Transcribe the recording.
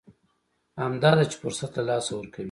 همدا ده چې فرصت له لاسه ورکوي.